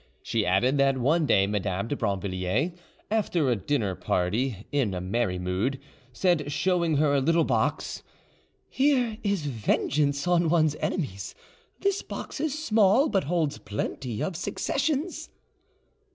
She added that one day Madame de Brinvilliers, after a dinner party, in a merry mood, said, showing her a little box, "Here is vengeance on one's enemies: this box is small, but holds plenty of successsions!"